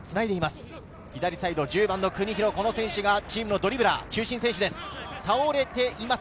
左サイド１０番の国広がチームのドリブラー、中心選手です。